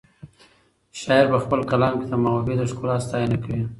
شاعر په خپل کلام کې د محبوبې د ښکلا ستاینه کوي.